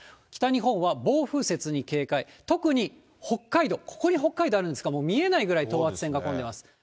北日本は暴風雪に警戒、特に北海道、ここに北海道あるんですが、もう見えないくらい等圧線が混み合っています。